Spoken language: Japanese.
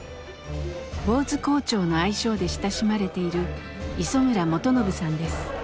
「ぼうず校長」の愛称で親しまれている磯村元信さんです。